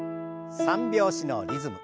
３拍子のリズム。